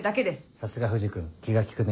さすが藤君気が利くね。